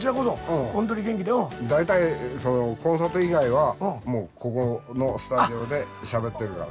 大体コンサート以外はもうここのスタジオでしゃべってるから。